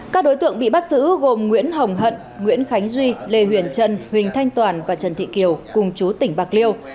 các đối tượng bị bắt giữ gồm nguyễn hồng hận nguyễn khánh duy lê huyền trân huỳnh thanh toàn và trần thị kiều cùng chú tỉnh bạc liêu